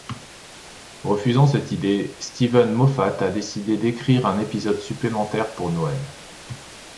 Refusant cette idée, Steven Moffat a décidé d'écrire un épisode supplémentaire, pour Noël.